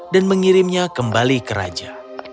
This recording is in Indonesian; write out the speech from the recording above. mengirimnya kembali ke raja